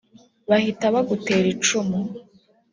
bahita bagutera icumu